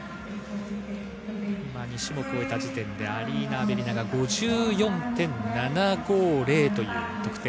今、２種目を終えた時点でアリーナ・アベリナが５４．７５０。